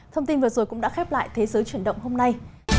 thông tin vừa rồi cũng đã khép lại thế giới chuyển động hôm nay